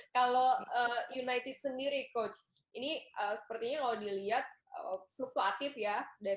kalau united sendiri coach ini sepertinya kalau dilihat fluktuatif ya